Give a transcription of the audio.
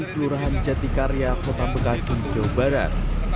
kelurahan jatikarya kota bekasi jawa barat